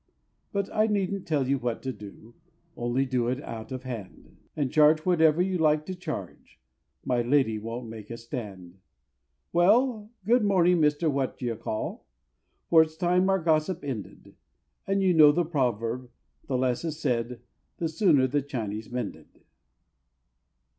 But I needn't tell you what to do, only do it out of hand, And charge whatever you like to charge my Lady won't make a stand. Well! good morning, Mr. What d'ye call, for it's time our gossip ended: And you know the proverb, the less as is said, the sooner the Chiney's mended.